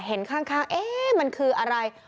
เห็นข้างเอ๊ะมันคืออะไร